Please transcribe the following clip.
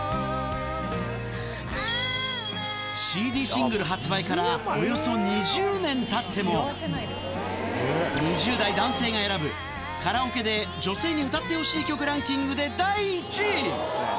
シングル発売からおよそ２０年たっても、２０代男性が選ぶ、カラオケで女性に歌ってほしいランキングで第１位。